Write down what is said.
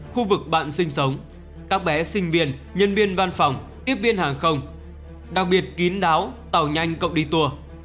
khu vực bạn sinh sống các bé sinh viên nhân viên văn phòng tiếp viên hàng không đặc biệt kín đáo tàu nhanh cộng đi tour